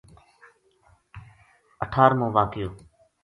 اٹھارمو واقعو